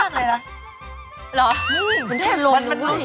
ก็ยังลงรู้สิ